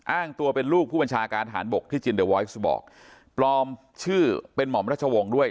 อ้างตัวเป็นลูกผู้บัญชาการฐานบกที่จินเดอร์วอยซ์บอกปลอมชื่อเป็นหม่อมรัชวงศ์ด้วย